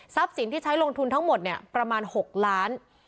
สินที่ใช้ลงทุนทั้งหมดเนี่ยประมาณ๖ล้าน